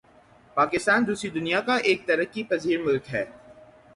پاکستان دوسری دنیا کا ایک ترقی پزیر ملک ہے